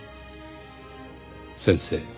「先生